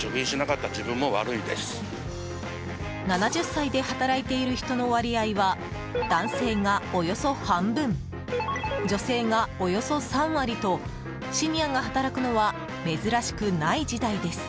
７０歳で働いている人の割合は男性がおよそ半分女性がおよそ３割とシニアが働くのは珍しくない時代です。